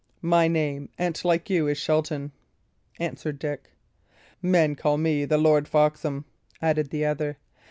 "My name, an't like you, is Shelton," answered Dick. "Men call me the Lord Foxham," added the other.